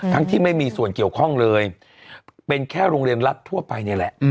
ที่ไม่มีส่วนเกี่ยวข้องเลยเป็นแค่โรงเรียนรัฐทั่วไปนี่แหละ